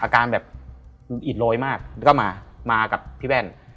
อาการแบบอิดโรยมากแล้วก็มากับพี่แว่น